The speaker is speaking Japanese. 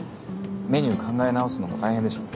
メニュー考え直すのも大変でしょう。